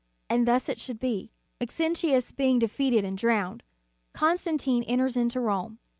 And thus it should be. Maxentius being defeated and drowned, Constantine enters into Rome.